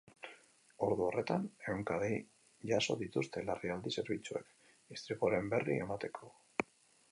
Ordu horretan, ehunka dei jaso dituzte larrialdi zerbitzuek, istripuaren berri emateko.